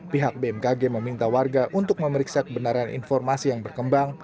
pihak bmkg meminta warga untuk memeriksa kebenaran informasi yang berkembang